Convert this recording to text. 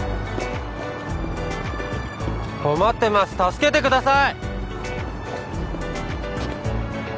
困ってます助けてください！